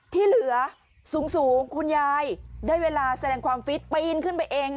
ที่เหลือสูงคุณยายได้เวลาแสดงความฟิตปีนขึ้นไปเอง